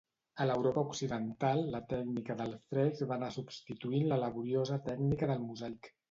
A l'Europa occidental, la tècnica del fresc va anar substituint la laboriosa tècnica del mosaic.